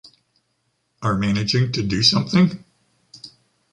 Are managing to do something?